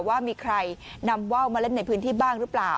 ว่ามีใครนำว่าวมาเล่นในพื้นที่บ้างหรือเปล่า